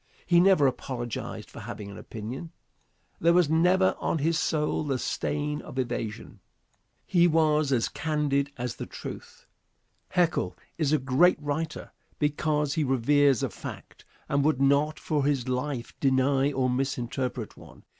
He never apologized for having an opinion. There was never on his soul the stain of evasion. He was as candid as the truth. Haeckel is a great writer because he reveres a fact, and would not for his life deny or misinterpret one.